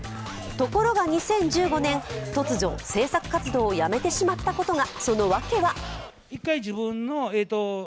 ところが２０１５年、突如、創作活動をやめてしまったことが。